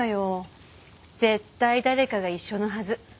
絶対誰かが一緒のはず。